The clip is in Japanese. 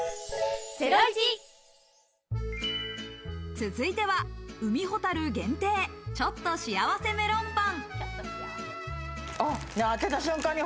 続いては海ほたる限定、ちょっとしあわせメロンパン。